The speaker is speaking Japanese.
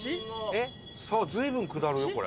さあ随分下るよこれ。